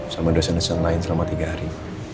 sama dosen dosen lain selama tiga hari